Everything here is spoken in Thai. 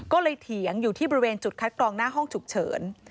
ก็เลยเถียงอยู่ที่บริเวณจุดคัดกรองหน้าห้องฉุกเฉิน